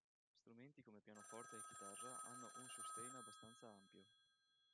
Strumenti come pianoforte e chitarra hanno un sustain abbastanza ampio.